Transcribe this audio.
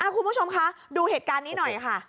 คุณผู้ชมคะดูเหตุการณ์นี้หน่อยค่ะ